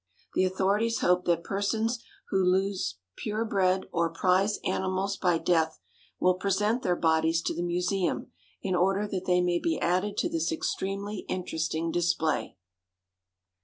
The authorities hope that persons who lose pure bred or prize animals by death will present their bodies to the museum in order that they may be added to this extremely interesting display.